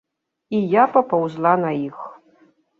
І я папаўзла на іх.